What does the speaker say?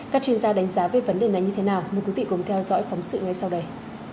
các chuyên gia đánh giá về vấn đề này như thế nào mời quý vị cùng theo dõi phóng sự ngay sau đây